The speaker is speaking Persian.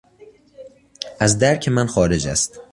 از درک من خارج است.